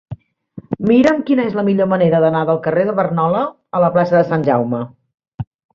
Mira'm quina és la millor manera d'anar del carrer de Barnola a la plaça de Sant Jaume.